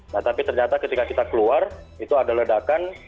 nah tapi ternyata ketika kita keluar itu ada ledakan